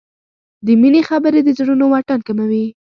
د مینې خبرې د زړونو واټن کموي.